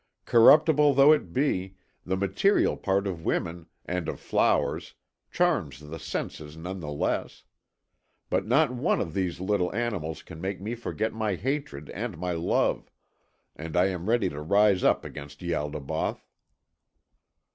Corruptible though it be, the material part of women and of flowers charms the senses none the less. But not one of these little animals can make me forget my hatred and my love, and I am ready to rise up against Ialdabaoth."